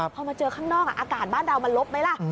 พอมาเจอข้างนอกอากาศบ้านเรามันลบไหมล่ะ